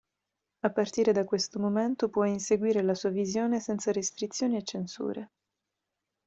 A partire da questo momento può inseguire la sua visione senza restrizioni e censure.